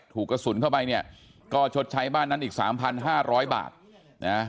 ถูกกระสุนเข้าไปเนี่ยก็ชดใช้บ้านนั้นอีก๓๕๐๐บาทนะฮะ